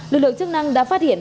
lực lượng chức năng đã phát hiện